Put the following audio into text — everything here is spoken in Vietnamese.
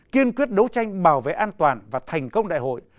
kiên quyết đấu tranh bảo vệ an toàn và thành công đại hội